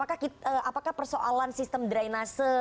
apakah persoalan sistem drainase